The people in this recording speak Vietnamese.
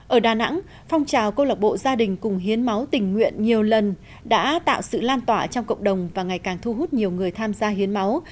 ở đà nẵng phong trào cô lạc bộ gia đình cùng hiến máu tình nguyện nhiều lần đã tạo sự lan tỏa trong cộng đồng và ngày càng thu hút nhiều người tham gia hiến máu